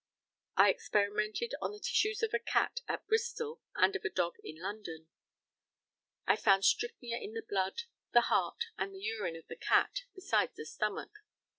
I experimented on the tissues of a cat at Bristol, and of a dog in London. I found strychnia in the blood, the heart, and the urine of the cat, besides the stomach.